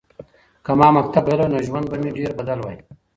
که ما مکتب ویلی وای نو ژوند به مې ډېر بدل وای.